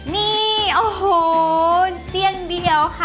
นี่โอ้โหเสียงเดียวค่ะ